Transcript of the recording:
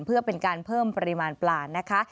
เพื่อเป็นการเพิ่มปริมาณปลานะคะ